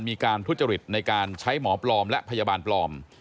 มีการทุจริตในการใช้หมอปลอมและพยาบาลปลอม